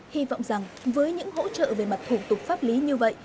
hy vọng rằng với những hỗ trợ về mặt thủ tục pháp lý như vậy